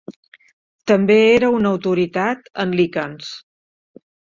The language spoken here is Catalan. També era una autoritat en líquens.